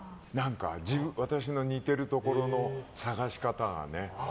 私の似てるところの探し方がね。